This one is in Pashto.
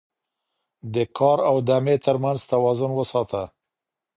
د کار او دمې ترمنځ توازن وساته